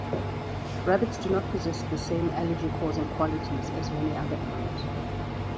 Rabbits do not possess the same allergy-causing qualities as many other animals.